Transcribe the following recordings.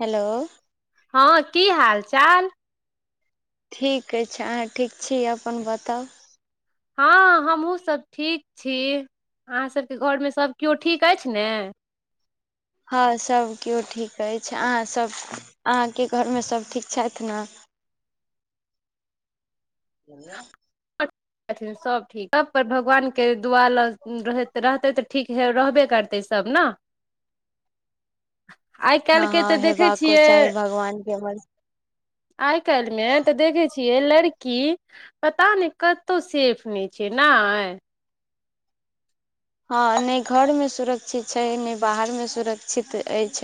Hello हँ की हाल चाल ठीक अछि अहाँ ठीक छी अपन बताउ हँ हमहूँसब ठीक छी अहाँसबके घरमें सब किओ ठीक ऐछ नेय हँ सब किओ ठीक ऐछ अहाँसब अहाँके घरमे सब ठीक छथि नेय [inaudible] अहिठाम सबठीक सबपर भगवान के दुआ रहतेय त ठीक रहबे करतैय सब नैय [inaudible] आइ हँ काल्हि के तऽ हँ देखै हेबाकों चाहि छियै भगवान के मरजी आइ काल्ह मे तऽ देखैय छियै लड़की पता नय कतो सेफ नय छै नैय हँ नय घरमे सुरक्षित छै नय बाहरिमे सुरक्षित ऐछ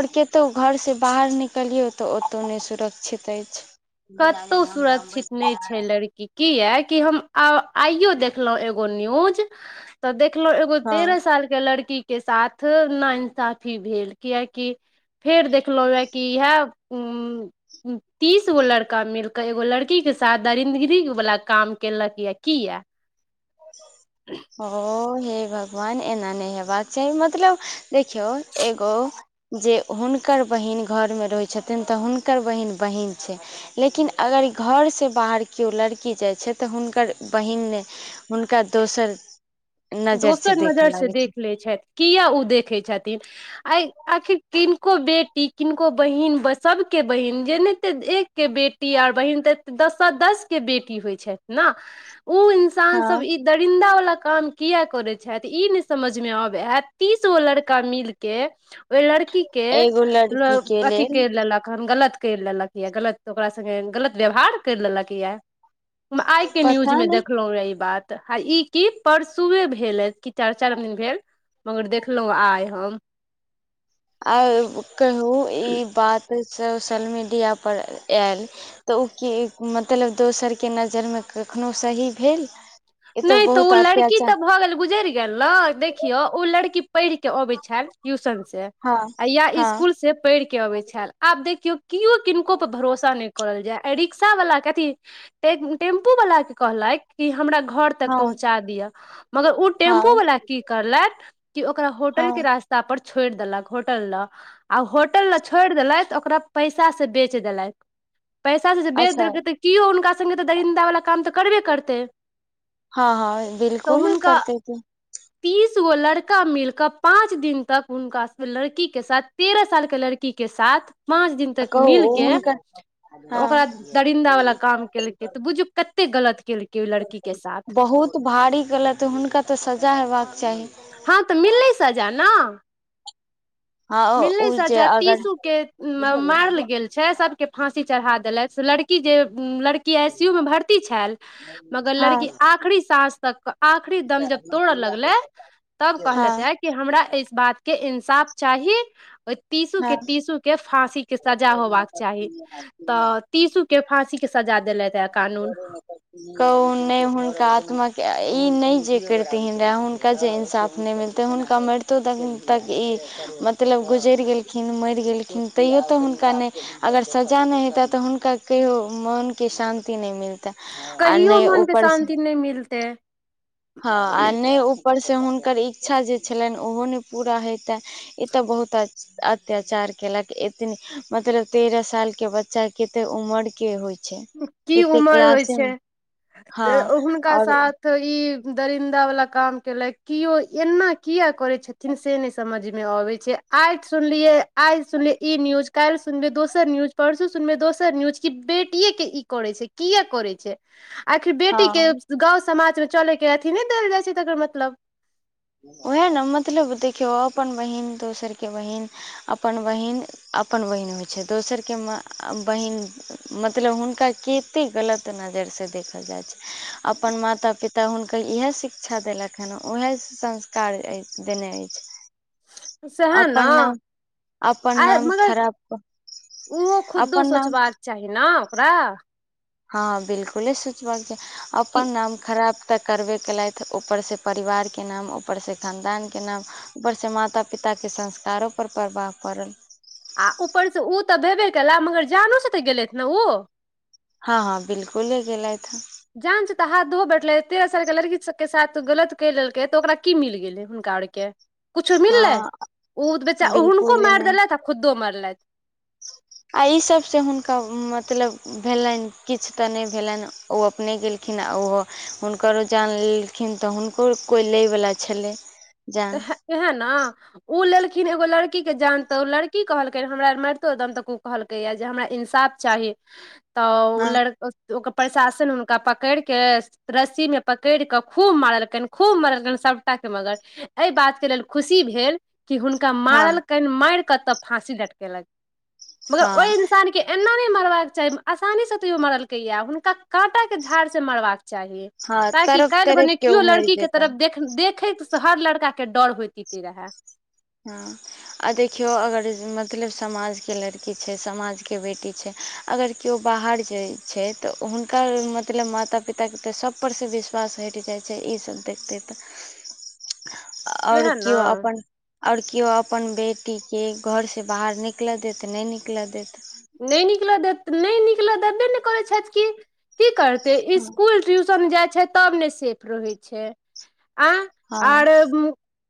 ओर कतो घरसँ बाहरि निकलियौ तऽ ओतहु नय सुरक्षित अइछ कतहु सुरक्षित नय छैय लड़की कीयाकि हम आइयो देखलो एगो न्यूज तऽ देखलो एगोह हँ तेरह साल कें लड़की केँ साथ ना इनसाफी भेल कियकि फेर देखलियै की इएह ओ तीस गो लड़की लड़का मिलकें एगो लड़कीके साथ दरिन्दगरी वला काम केलक ये कीये [inaudible] हो हे भगवान एना नय हेबाक चाहि मतलब देखियौ एगो जँ हुनकर बहीन घरमे रहैत छथिन तऽ हुनकर बहीन बहीन छै लेकिन अगर घरसँ बाहर किओ लड़की जाइत छै त हुनकर बहिन नय हुनका दोसर से दोसर देखऽ नजर सँ लागै छै देखलैत छैथ किया ओ देखै छथिन आ आखिर किनको बेटी किनको बहिन सबकें बहिन जेनातेँ एक बेटी आर बहिन त दस दस कें बेटी होइत छथि नेय उ इन्सान हँ सब ई दरिन्दा वला काम किया करें छथि ई नय समझ में आबे यै तीस गो लड़का मिलके ओइ लड़की कें एगो लड़की के अथी लेल कैर लेलक हं गलत केर लेलक ये गलत ओकरा संगे गलत व्यवहार कैर लेलक येऽ हम आइके पता न्यूजमें नहि देखलहुँ रहै ई बात आई की परस सुंयें भेल अ कि चारि- चारि दिन भेल मगर देखलहुं आय हम आ कहू ई बात सोशल मीडिय पर आईल तऽ ओ की मतलब दोसर कें नजरिमें कखनोहु सही भेल, ई नहि तऽ बहुत ओ लड़की अत्याचार तऽ भऽ गेल गुजरि गेल नेय देखियौ ओ लड़की पढ़ि कें अबैछल ट्यूशन सें हँ या हँ स्कुल सें पढ़ि के अबैत छल, आब देखियौ केओ किनको पर भरोसा नहि करल जाय आ रिक्शा बला के अथी टेम्पू बला कें कहलैक कि हमरा घर तक हँ पहुँचा दिअ मगर ओ टेम्पू हँ बला की करलइथ कि ओकरा होटल कें हँ रास्ता पर छोड़ि देलक होटल लग आ होटल लग छोड़ देलथि ओकरा पैंसा से बेच देलथि पैसासँ जे बेच अच्छा देलकै तऽ किओ हुनका सङ्गे तऽ दरिन्दा बला काम तऽ करबेय करतै हँ हँ तऽ बिलकुलेय हुनका करतैय कि तीस गो लड़का मिलकें पाँच दिन तक हुनका लड़की के साथ तेरह साल के लड़की के साथ पाँच दिनतक कहू ओ मिलके हुनकर हँ ओकरा दरिन्दा बला काम केलकै तऽ बुझु कते गलत केलकै ओहि लड़की के साथ। बहुत भारी गलत हुनका तऽ सजा हेबाक चाही। हँ तऽ मिलले सजा ने। हँ ओ मिलले ओ जे सजा अगर तीसू के मारल गेल। छै सबकें फांसी चढ़ा देलथि लड़की जें लड़की कि आइसीयू में भर्ती छल मगर हँ लड़की आखरी साँस तक आखरी दम जब तोड़ेर लगले तब कहल़ैत हँ हे कि हमरा ई बातके इन्साफ चाही हँ तीसूकें तीसूकें फाँसीके सजा होबाक चाही तऽ तीसू के फांसी के सजा देलेथ। [inaudible] कहू नहि हुनका आत्मा के ई नहि जे करथिन रह हुनका जे इंसाफ नहि मिलत। तऽ हुनका मरितो तख तक ई मतलब गुजरि गेलखिन मरि गेलखिन। तैयो तऽ हुनका नहि अगर सजा नहि हेतै तऽ हुनका कहियो मोनके शान्ति नहि मिलतनि। आ कहियो नहि मन के ऊपर छै। शान्ति नहि मिलते। हँ आ नहि ऊपरसँ हुनकर इच्छा जे छलनि ओहो नहि पूरा होेइतनि ई तऽ बहुत अच्छा। अत्याचार केलक एतनी मतलब तेरह साल के बच्चा कते उमर के होइ छै। की कते उमर होइ क्लासे मे छै तऽ हँ हुनका आओर साथ। तऽ इ दरिन्दा वाला काम के केलेत एना किया करे छथिन से ने समझ में नहीं आबेत छै। आज सुनलियै आज सुनलियै ई न्यूज काल्हि सुनलियै दोसर न्यूज परसू सुनलिय दोसर न्यूज। कि बेटियए के ई करे छै किए करे छै आखिर बेटी के। हँ गाँव समाजमे चलयके अथी नहि देल जाइ छै तकर मतलब। उएह ने मतलब देखियौ अपन बहिन दोसरके बहिन अपन बहिन। अपन बहिन होइ छै दोसरके बहिन। मतलब हुनका कतेक गलत नजरिसँ देखल जाइत छै अपन माता पिता। तऽ हुनकर इएह शिक्षा देलक हँ ओएह संस्कार देने अछि। सएह ने अपन नाम अपन नाम खराब। उहो खुदो अपन नाम सोचबाक चाही ने ओकरा। हँ बिलकुले सोचबाक चाहि कि अपन नाम खराब। तऽ करबे कयेलथि ऊपर से परिवारके नाम ऊपर से खानदानके नाम। ऊपर से माता पिता के संस्कारो पर प्रभाव पड़त आ ऊपरसँ ओ तऽ भेबे केलए मगर जानोसँ तऽ गेलथि ने ओ। हँ हँ बिल्कुल ले गेलेलय। जान छै तऽ हाथ धोहो बैठलै तेरह सालके लड़कीसभके साथ गलत कहि लेलकै तऽ ओकरा की मिल गेलै हुनका आओरके। कुछ मिललै हँ ओ बच्चा हुनको बिल्कुले मारि नहि देलथि आ खुदो मारलथि। आई सभसँ हुनका मतलब। भेलनि किछु तऽ नहि भेलनि ओ अपने गेलखिन आ ओहो। हुनकरो जान लेलखिन तऽ हुनको कोइ लयवला छलै। जान तऽ इह ने। ओ लेलखिन एगो लड़की के जान ते ओ लड़की कहलकै हमरार मारितोदम तक ओ कहलक।। कैया जे हमरा इन्साफ चाही। [inaudible] तऽ ओ हँ लड़का ओकर प्रशासन हुनका पकड़ि कऽ। रस्सी मे पकड़ि कऽ खूब मारलकनि खूब मरलकनि सभटा मगर। एहि बात के लेल खुशी भेल कि हुनका हँ मारलक कनि मारि कतऽ फाँसी डटकेलक। मगर हँ ओहि। आसानी के एना नहि मरबाक चाही आसानी से तूयो मरलक या हुनका काँटा के दाड़ से मरबाक चाही। हँ ताकि तड़प काल्हि तड़प भने के कियो ओ मरि लड़की के जेता तरफ देख। देखे से हर लड़का के डर होयइतैते रहै। हँ आ देखियो अगर मतलब समाज के लड़की छै समाज के बेटी छै अगर किओ बाहर जाइ छै तऽ हुनकर मतलब माता पिता के सब ऊपरसँ विश्वास हटि जाइ छै ईसभ देखतै तऽ आओर वएह कियो ने हो अपन। आओर केओ अपन बेटीके घरसँ बाहर निकलय देत नहि निकलय देत। नहि निकल देत किनहि निकलऽ देबे ने करैत छथि की करथि। तऽ हँ इसकुल ट्यूशन जाइ छै तब ने सेफ रहै छै। आँ हँ आरे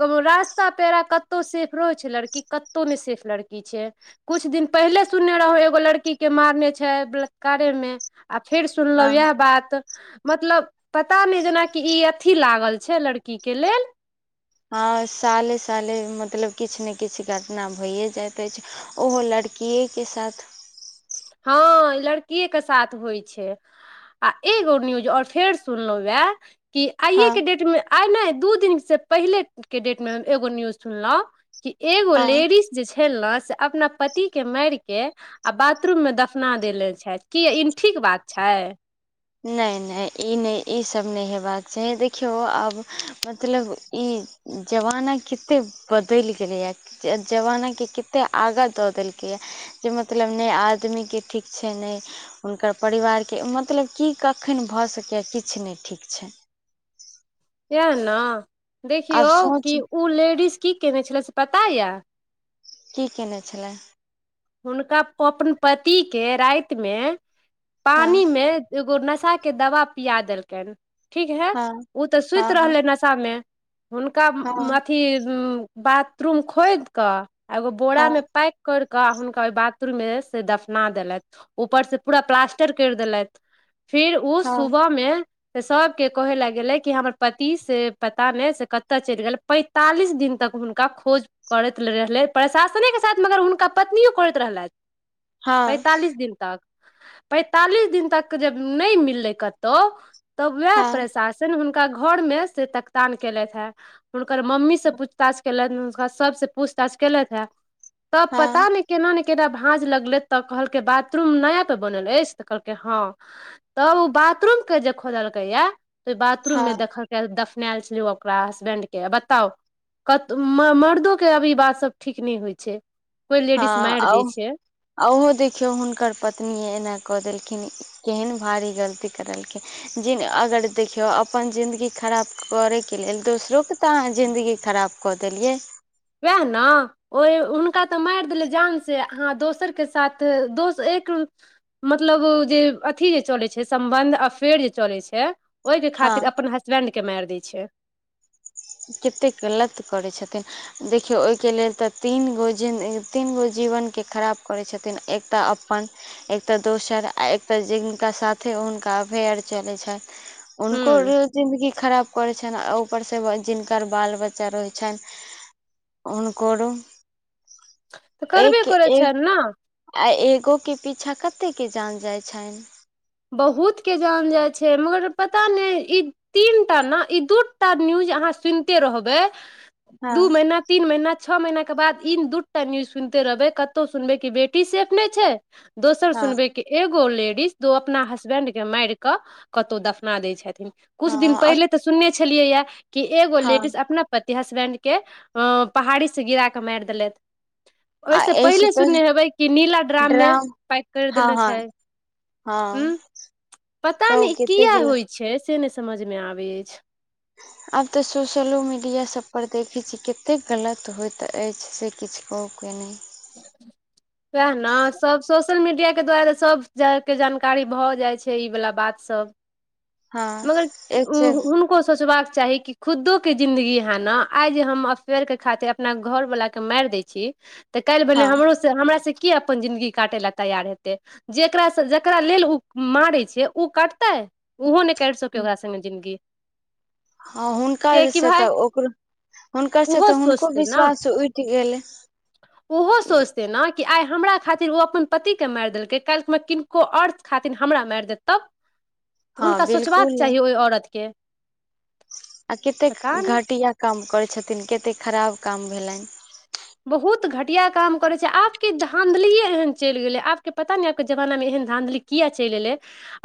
कबो रास्ता पेरा कतहु सेफ रहो छै लड़की कतौ नहि सेफ लड़की छै कुछ दिन पहिले सुनने रहौ एगो लड़की के मारने छै बलातकारेमे आ फेर सुनलहु हँ इएह बात मतलब पता नैय जेनाकि ई अथी लागल छै लड़की के लेल हँ साले साले मतलब किछ ने किछ घटना भइए जाइत अछि ओहो लड़किये के साथ हँ लड़किये के साथ होइ छैय आ एगो न्यूज ओर फेर सुनलहुँ एह कि हँ आइएके डेटमे आइ नहि दू दिनसँ पहिलेके डेटमे हम एगो न्यूज सुनलहुँ कि एगो हँ लेडीस जे छै ने से अपना पति के मार के आ बात बाथरूम मे दफना देने छैय कि ई ठीक बात छैय नहि नहि ई नहि ईसभ नहि हेबाक चाही देखियौ आब मतलब ई जबाना कते बदलि गेले या जे जबानाके कतेक आगाँ दऽ देलकैए जे मतलब नहि आदमी के ठीक छैय नहि हुनकर परिवार के मतलब की कखन भऽ सकैए किछु नहि ठीक छै यएह न आब देखियौ सोच कि उ लेडीस की केने छलै से पता या की केने छलाय हुनका ओपन पति के राति मे हँ पानि मे एगो नशा के दवा पिया देलकैन ठीक है हँ उ त हँ सुति हँ रहलै नशा हुनका मे हुनका म हँ अथी बाथरूम खोद कऽ आ एगो बोरा हँ मे पैक कर क हुनका ओय बाथरूम मे से दफना देलथि ऊपर से पूरा प्लास्टर करि देलथि फिर उ हँ सुबहमे त सब के कहै लेए गेलै कि हमर पति से पता नै से कत चलि गेलै पै तालीस दिन तक हुनका खोज करैत रहलै प्रशासने के साथ मगर हुनका पत्नियो करैत रहलथि हँ पैंतालिस दिन तक पैंतालीस दिन तक जे नै मिललै कतहु त हँ वएह हँ प्रशासन हुनका घर मे से तकतान केलथि हेए हुनकर मम्मी से पूछताछ केलैन हुनका सब से पूछताछ केलथि हैं तब हँ पता नै केना नै केना भाँज लगलै तऽ कहलकै बाथरूम नया त बनल अछि तऽ कहलकै हँ तब उ बाथरूम के जे खोदलकै यातायात ओय बाथरूम मे हँ देखल दफनेएल छलै ओकरा हसबैंड के बताउ कत म मर्दो के अब ई बात सब ठीक नै होइ छै कोइ हँ लेडीज आ मारि दै ओ छै ओहो देखियौ हुनकर पत्नी एना कऽ देलखिन केहन भारी गलती करलखिन जिन अगर देखियौ अपन जिन्दगी खराब करै के लेल दोसरोके तऽ अहाँ जिन्दगी खराब कऽ देलियै वएह न ओहि हुनका तऽ मारि देलियै जान से अहाँ दोसरके साथ दोस एक मतलब जे अथि जे चलै छैय सम्बन्ध अफेयर जे चलै छैय ओ के हँ खातिर अपन हसबेंड के मारि दै छै केतेक गलत करै छथिन देखियौ ओय के लेल तऽ तीन गो जिन तीन गो जीवनके खराब करै छथिन एक तऽ अपन एक त दोसर आ एकता जिनका साथे हुनका अफेयर चलै छैन हूँ हुनको र जिंदगी खराब करै छनि आ ऊपर से जिनकर बाल बच्चा रहै छनि हुनकरो तऽ करबे करै एकेए छै ने आ एगो के पीछा कते के जान जाय छनि बहुतके जान जाइ छै मगर पता नै ई तीन टा न ई दूटा न्यूज अहाँ सुनिते रहबै हँ दू महिना तीन महीना छ महिना के बाद ई दूटा न्यूज सुनिते रहबै कतौ सुनबै कि बेटी सेफ नै छै दोसर हँ सुनबै के एगो लेडीज अपना हसबेंड के माइर कऽ कतौ दफना दै छथिन कुछ दिन हँ पहिले सुनने छलियै या कि एगो हँ लेडीज अपना पति हसबैंड केँ अ पहाड़ स गिरा केँ मारि देलेथ आ ओहिसँ एहिसँ पहिले सुनने हेबे कि नीला ड्राम मे पैक कर हँ देेले हँ छैय हूँ हँ पता नै कहू ई कते किया गलत होइ छै से नै समझमे आबै अछि आब तऽ सोशलो मीडियासब पर देखै छी कतेक गलत होइत अछि से किछु कहो के नै सएह न सब स सोशल मीडिया के द्वारा सभ के जानकारी भऽ जाइ छै ई वाला बात सभ हँ मगर एक से हुनको सोचबाक चाही की खुदोके जिन्दगी अहाँ न आइ जे हम अफेयरके खातिर अपना घर वलाके मार दै छी काल्हि भने हँ हमरो से हमरासँ से कियो अपन जिंन्दगी काटय लए तैयार हेतै जेकरासँ जेकरा लेल ऊ मारै छै ओ कटतै ओहो ने फेर सँ कैया ओकरा संगे जिन्दगी हँ हुनकर कियकि से भाय तऽ ओकरो हुनकर से ओहो तऽ हुनको सोचतै विश्वास उठ गेलै ऊहो सोच त ना कि आइ हमरा खातिर ओ अपन पति के मारि देलकै काल्हि मे किनको आओर खातिर हमरा मार देत तब तऽ हँ हुनका सोचबाक बिलकुल चाही ओह औरत के आ कतेक नहि घटिया काम करैत छथिन कतेक खराब काम भेलै बहुत घटिया काम करैत छै आबके धाँधलिए एहन चलि गेलै आबके पता नहि आबके जमानामे एहन धाँधली। किया चैल अयलै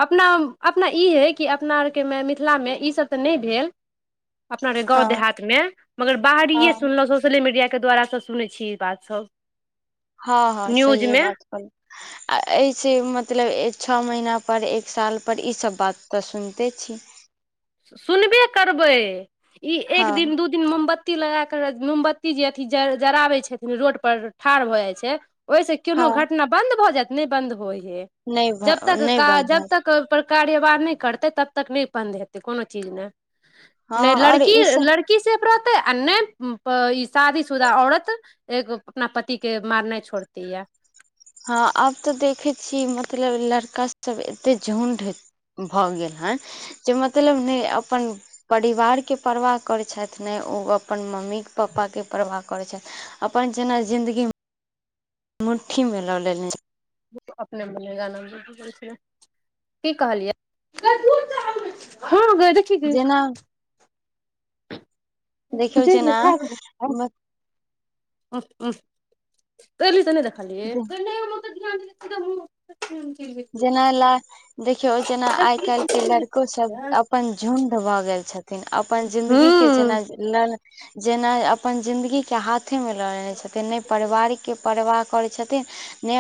अपना अपना ई है कि अपना आरके मिथिलामे ईसभ तऽ नहि भेल अपना गाँव हँ देहातमे मगर हँ बाहरिये सुनलहुँ सोशल मीडिय के द्वारा सुनेै छिये इ बात सब हँ हँ सहिए बात कहलौ आ एहिसँ मतलब छ महीना पर एक साल पर ईसभ बात तऽ सुनिते छी सुनबे करबै ई हँ एक दिन दू दिन दिन मोमबत्ती लगा कऽ मोमबत्ती जे अथि ज जराबै छथिन रोड पर ठार भऽ जाइ छै ओहिसँ कोनो हँ घटना बन्द भऽ जायत नहि बन्द होइ हे नहि भ जब तक नहि का बन्द हैत जबतक ओहि कार्य बाहि नहि करतै तब तक नहि बन्द हेतै कोनो चीज ने हँ नहि आओर लड़की ई सब लड़की सेफ रहतै आ नहि ई शादीशुदा औरत एगो अपना पति के मारने छोड़तै गे हँ आब तऽ देखे छी मतलब लड़का सब एते झुंड भऽ गेल हँ जे मतलब नहि अपन परिवारकेँ परवाह करैत छैथ ने ओ अपन मम्मी पापाकेँ परवाह करैत छथि अपन जेना जिन्दगीमें मुट्ठीमे लऽ लेने छै अपने [inaudible] की कहलियै हँ [unintelligible] जेना। देखियौ जी जी जेना खा [unintelligible] [inaudible] [unintelligible] [inaudible] जेना लाइ देखियौ जेना आइ काल्हि के लड़को सभ अपन झुण्ड भऽ गेल छथिन अपन जिन्दगीके जेना हूँ नहि जेना अपन जिंन्दगी के हाथ अथीमे लऽ लेने छथिन नहि पारिवारिकके परवाह करै छथिन नहि